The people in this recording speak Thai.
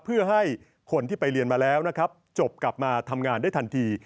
เพื่อให้คนที่ไปเรียนมาแล้วนะครับจบกลับมาทำงานได้ทันที